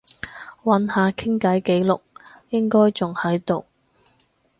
揾下傾偈記錄，應該仲喺度